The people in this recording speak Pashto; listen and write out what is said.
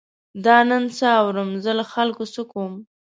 دا نن څه اورم، زه له خلکو څه کوم.